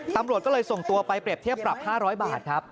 ตำรวจก็เลยส่งตัวไปเปรียบเทียบปรับ๕๐๐บาทครับ